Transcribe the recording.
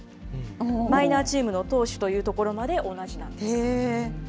マイナーチームの投手というところまで同じなんです。